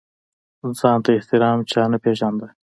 ځان ته احترام چا نه پېژانده.